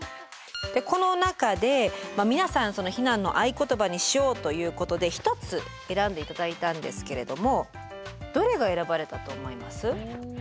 この中で皆さん避難の合言葉にしようということで一つ選んで頂いたんですけれどもどれが選ばれたと思います？